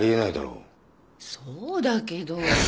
そうだけど。